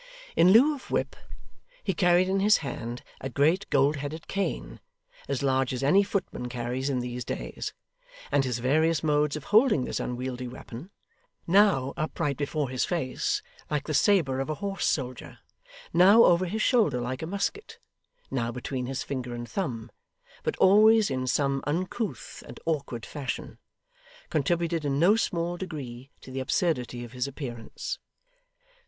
In lieu of whip, he carried in his hand a great gold headed cane, as large as any footman carries in these days, and his various modes of holding this unwieldy weapon now upright before his face like the sabre of a horse soldier, now over his shoulder like a musket, now between his finger and thumb, but always in some uncouth and awkward fashion contributed in no small degree to the absurdity of his appearance.